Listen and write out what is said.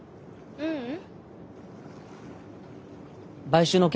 ううん。